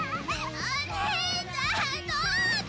お姉ちゃんどこ！